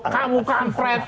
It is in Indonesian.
kamu kan fred